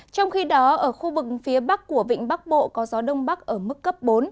trong khi đó ở khu vực phía bắc của vịnh bắc bộ có gió đông bắc ở mức cấp bốn